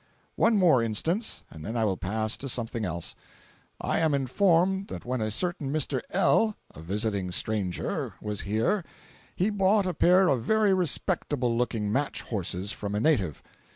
One more instance, and then I will pass to something else. I am informed that when a certain Mr. L., a visiting stranger, was here, he bought a pair of very respectable looking match horses from a native.